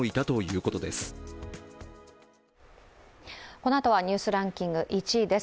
このあとは「ニュースランキング」１位です。